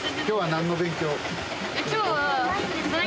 今日は。